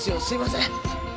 すいません。